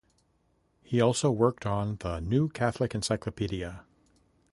He also worked on the "New Catholic Encyclopedia".